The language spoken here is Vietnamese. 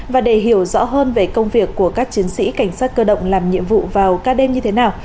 và để hiểu rõ hơn về công việc của các chiến sĩ cảnh sát cơ động làm nhiệm vụ vào ca đêm như thế nào